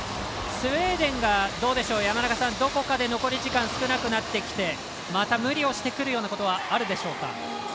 スウェーデンがどこかで残り時間少なくなってきてまた無理をしてくるようなことはあるでしょうか。